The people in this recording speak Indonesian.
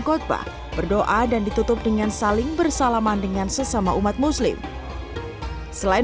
khutbah berdoa dan ditutup dengan saling bersalaman dengan sesama umat muslim selain